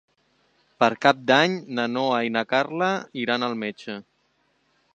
Per Cap d'Any na Noa i na Carla iran al metge.